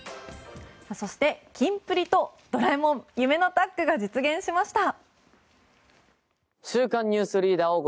キンプリとドラえもん夢のタッグが実現しました。